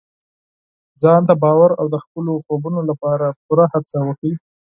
ځان ته باور او د خپلو خوبونو لپاره پوره هڅه وکړئ.